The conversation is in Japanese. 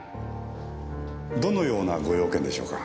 どのようなご用件でしょうか？